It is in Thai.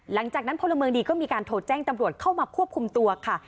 หลังจากนั้นพลเมิงดีมีการโทรแจ้งตำรวจเข้ามาควบคุมตัวค่ะ